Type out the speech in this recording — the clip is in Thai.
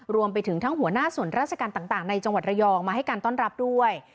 รวมไปถึงทั้งหัวหน้าส่วนราชการต่างในจังหวัดระยองมาให้การต้อนรับด้วย